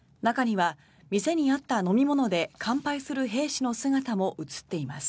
中には、店にあった飲み物で乾杯する兵士の姿も映っています。